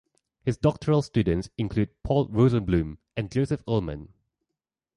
His doctoral students include Paul Rosenbloom and Joseph Ullman.